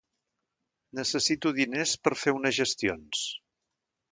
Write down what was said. Necessito diners per fer unes gestions.